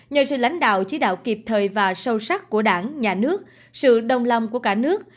nhờ sự lãnh đạo chỉ đạo kịp thời và sâu sắc của đảng nhà nước sự đồng lòng của cả nước